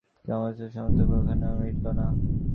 কিন্তু অমৃতত্ব সম্বন্ধে প্রশ্ন এখানেও মিটিল না।